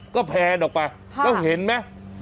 ก็แพนออกไปแล้วเห็นไหม